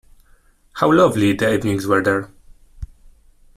How lovely the evenings were there!